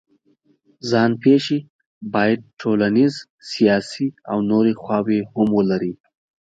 ځان پېښې باید ټولنیز، سیاسي او نورې خواوې هم ولري.